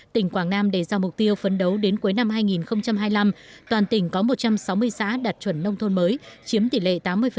tỉnh quảng nam đề ra mục tiêu phấn đấu đến cuối năm hai nghìn hai mươi năm toàn tỉnh có một trăm sáu mươi xã đạt chuẩn nông thôn mới chiếm tỷ lệ tám mươi